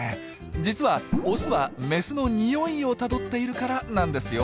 実はオスはメスのニオイをたどっているからなんですよ。